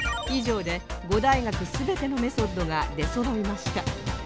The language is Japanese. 以上で５大学全てのメソッドが出そろいました